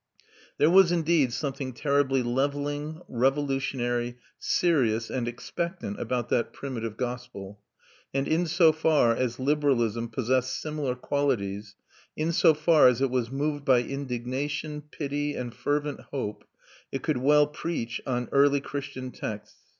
There was indeed something terribly levelling, revolutionary, serious, and expectant about that primitive gospel; and in so far as liberalism possessed similar qualities, in so far as it was moved by indignation, pity, and fervent hope, it could well preach on early Christian texts.